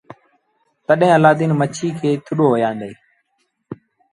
تڏهيݩ الآدين مڇ کي ٿڏو هڻيآندي۔